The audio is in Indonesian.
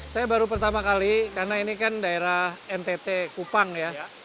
saya baru pertama kali karena ini kan daerah ntt kupang ya